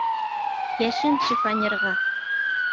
Йәшен шифоньерға!